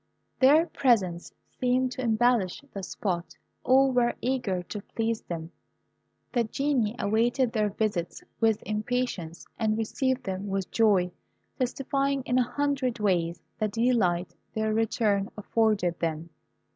Their presence seemed to embellish the spot. All were eager to please them. The Genii awaited their visits with impatience, and received them with joy, testifying in a hundred ways the delight their return afforded them.